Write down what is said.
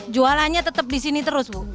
jualannya tetap disini terus buk